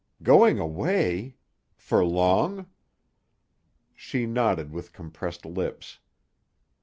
"Going away! For long?" She nodded with compressed lips.